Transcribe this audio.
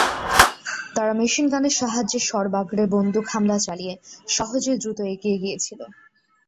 তারা মেশিন গানের সাহায্যে সর্বাগ্রে বন্দুক হামলা চালিয়ে সহজে দ্রুত এগিয়ে গিয়াছিল।